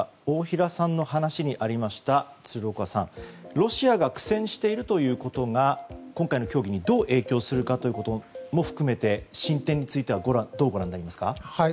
大平さんの話にありました鶴岡さん、ロシアが苦戦しているということが今回の協議にどう影響するのかも含め進展についてはどうご覧になりますか？